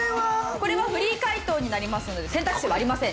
これはフリー解答になりますので選択肢はありません。